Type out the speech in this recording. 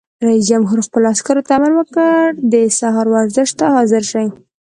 رئیس جمهور خپلو عسکرو ته امر وکړ؛ د سهار ورزش ته حاضر شئ!